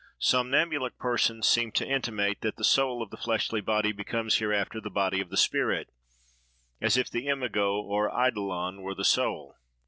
Somnambulic persons seem to intimate that the soul of the fleshly body becomes hereafter the body of the spirit, as if the imago or idolon were the soul.